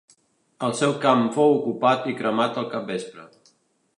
El seu camp fou ocupat i cremat al capvespre.